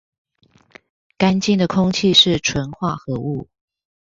乾淨的空氣是純化合物